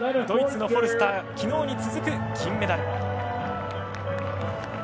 ドイツのフォルスター昨日に続く銀メダル。